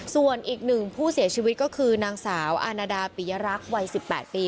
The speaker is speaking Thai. ส่วนอีกหนึ่งผู้เสียชีวิตก็คือนางสาวอาณาดาปิยรักษ์วัย๑๘ปี